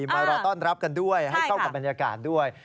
มารอต้อนรับกันด้วยให้เข้ากับบรรยากาศด้วย